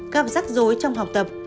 gặp rắc rối trong học tập